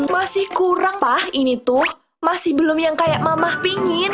masih kurang pak ini tuh masih belum yang kayak mamah pingin